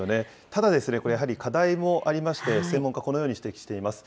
ただこれ、課題もありまして、専門家、このように指摘しています。